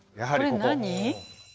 これ何？